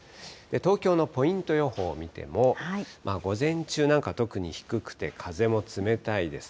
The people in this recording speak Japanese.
東京のポイント予報を見ても、午前中なんか特に低くて風も冷たいです。